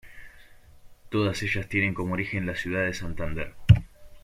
Todas ellas tienen como origen la ciudad de Santander.